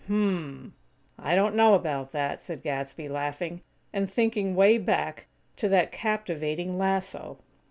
"Hm m m! I don't know about that," said Gadsby, laughing; and thinking way back to that captivating lasso!